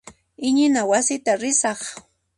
Iñina wasita risaq.